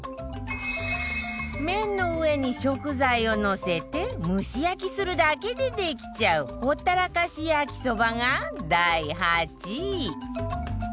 麺の上に食材をのせて蒸し焼きするだけでできちゃうほったらかし焼きそばが第８位